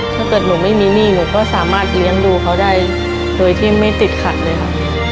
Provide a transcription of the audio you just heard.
ถ้าเกิดหนูไม่มีหนี้หนูก็สามารถเลี้ยงดูเขาได้โดยที่ไม่ติดขัดเลยค่ะ